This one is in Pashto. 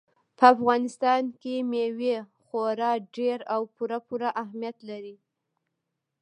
په افغانستان کې مېوې خورا ډېر او پوره پوره اهمیت لري.